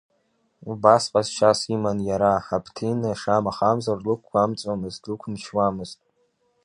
Убас ҟазшьас иман иара, Хаԥҭина шамахамзар длықәгәамҵуамызт, длықәымчуамызт.